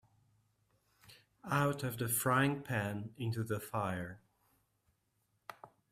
Out of the frying-pan into the fire